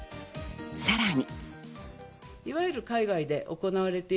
さらに。